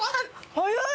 早い！